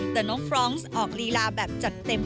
แต่น้องฟรองก์ออกลีลาแบบจัดเต็ม